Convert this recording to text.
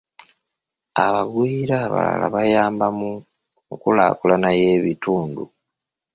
Abagwira abalala bayamba mu nkulaakulana y'ebitundu.